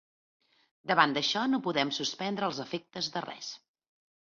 Davant d’això, no podem suspendre els efectes de res.